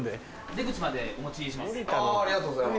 出口までお持ちします。